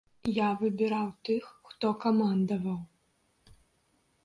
Я выбіраў тых, хто камандаваў.